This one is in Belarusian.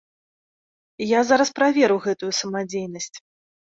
Я зараз праверу гэтую самадзейнасць.